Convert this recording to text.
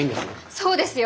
そうですよ！